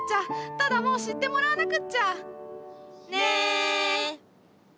ただもう知ってもらわなくっちゃ。ね！